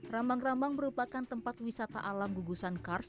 rambang rambang merupakan tempat wisata alam gugusan kars